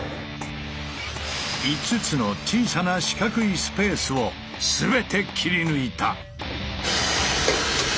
５つの小さな四角いスペースを全て切り抜いた！